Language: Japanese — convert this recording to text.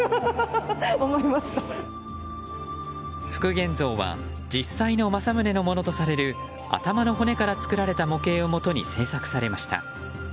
復元像は実際の政宗のものとされる頭の骨から作られた模型をもとに制作されました。